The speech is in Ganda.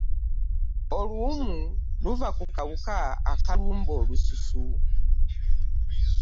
Oluwumu luva ku kawuka akalumba olususu.